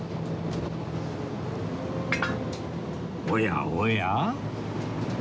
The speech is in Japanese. おやおや？